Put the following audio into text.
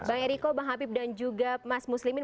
bang eriko bang habib dan juga mas muslimin